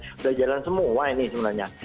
sudah jalan semua ini sebenarnya